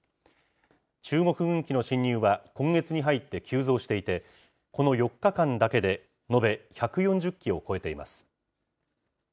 中国軍機の進入は今月に入って急増していて、この４日間だけで延べ１４０機を超えています。